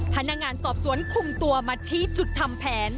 พนักงานสอบสวนคุมตัวมาชี้จุดทำแผน